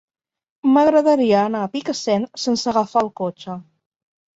M'agradaria anar a Picassent sense agafar el cotxe.